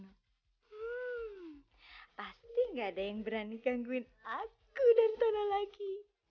hmm pasti gak ada yang berani gangguin aku dan tono lagi